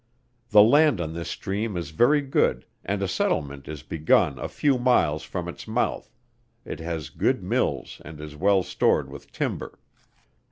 The land on this stream is very good, and a settlement is begun a few miles from its mouth, it has good mills and is well stored with timber.